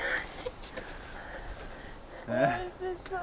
おいしそう。